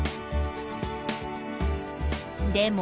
でも。